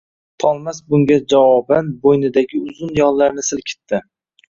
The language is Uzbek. Tolmas bunga javoban bo‘ynidagi uzun yollarini silkitdi.